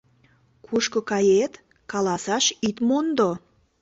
Кушко кает, каласаш ит мондо.